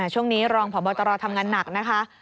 ช่วงนี้รองพบตทำงานหนักนะคะ